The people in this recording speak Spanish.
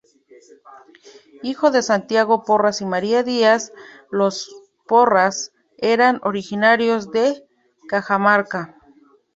Hijo de Santiago Porras y María Díaz; los Porras eran originarios de Cajamarca.